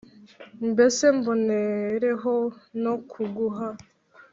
mbese mbonereho no kuguha